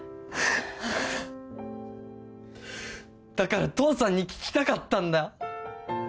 だから父さんに聞きたかったんだ。